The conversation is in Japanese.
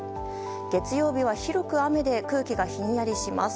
月曜日は、広く雨で空気がひんやりします。